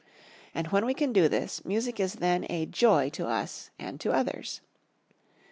And when we can do this music is then a joy to us and to others.